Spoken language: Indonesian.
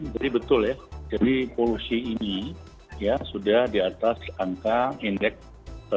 betul ya jadi polusi ini ya sudah di atas angka indeks